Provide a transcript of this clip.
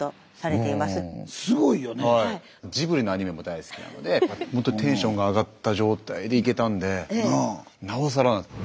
ジブリのアニメも大好きなのでほんとにテンションが上がった状態で行けたんでなおさら。